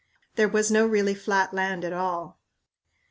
There was no really flat land at all.